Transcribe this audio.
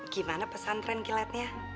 gimana pesan tranquilatnya